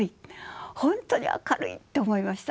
本当に明るいって思いました。